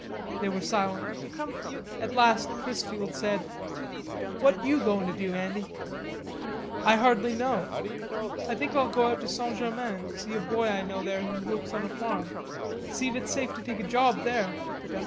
They were silent. At last Chrisfield said: "What you goin' to do, Andy?" "I hardly know. I think I'll go out to St. Germain to see a boy I know there who works on a farm to see if it's safe to take a job there.